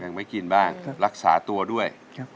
ยังไม่กินบ้างรักษาตัวด้วย